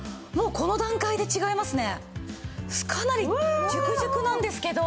この段階で違いますね。